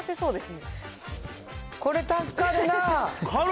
これ、助かるな。